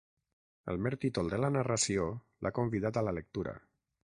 El mer títol de la narració l'ha convidat a la lectura.